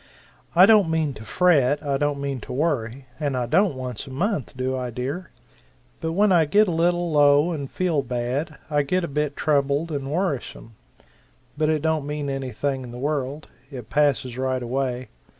I don't mean to fret, I don't mean to worry; and I don't, once a month, do I, dear? But when I get a little low and feel bad, I get a bit troubled and worrisome, but it don't mean anything in the world. It passes right away.